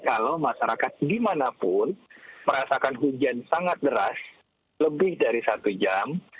kalau masyarakat dimanapun merasakan hujan sangat deras lebih dari satu jam